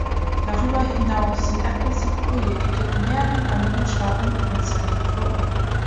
Darüber hinaus sind Appleseed-Projekte in mehreren anderen Staaten ohne Zentren vor Ort.